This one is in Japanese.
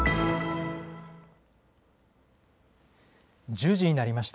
１０時になりました。